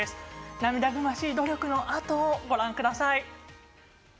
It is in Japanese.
涙ぐましい努力の跡をご覧ください。